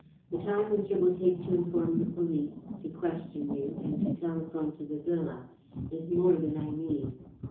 The time which it will take to inform the police, to question you and to telephone to the villa is more than I need."